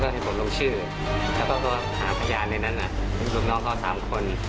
ให้ผมลงชื่อแล้วก็หาพยานในนั้นลูกน้องเขา๓คน